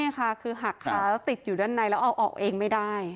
นี่ค่ะคือหักขาแล้วติดอยู่ด้านในแล้วเอาออกเองไม่ได้